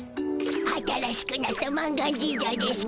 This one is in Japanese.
新しくなった満願神社でしゅ